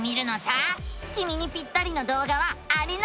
きみにピッタリの動画はあれなのさ！